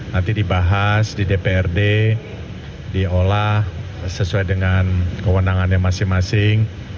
nanti dibahas di dprd diolah sesuai dengan kewenangannya masing masing